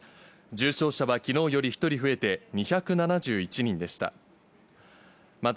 重症者はきのうより１人増えて２７１人でした。